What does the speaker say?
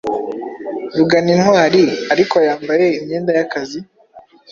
Ruganintwari, ariko yambaye imyenda yakazi